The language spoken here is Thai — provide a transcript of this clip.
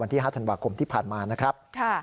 ที่๕ธันวาคมที่ผ่านมานะครับ